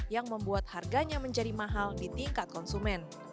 yang membuat harganya menjadi mahal di tingkat konsumen